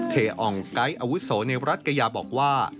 เทอองไกด์อาวุโสในรัฐกายาบอกว่า